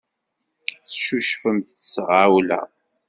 Teccucfemt s tɣawla.